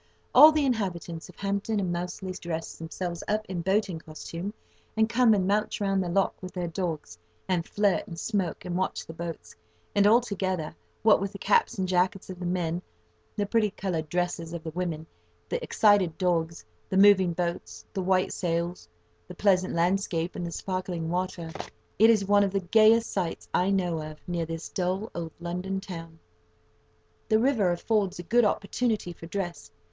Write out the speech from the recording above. All the inhabitants of Hampton and Moulsey dress themselves up in boating costume, and come and mouch round the lock with their dogs, and flirt, and smoke, and watch the boats; and, altogether, what with the caps and jackets of the men, the pretty coloured dresses of the women, the excited dogs, the moving boats, the white sails, the pleasant landscape, and the sparkling water, it is one of the gayest sights I know of near this dull old London town. The river affords a good opportunity for dress.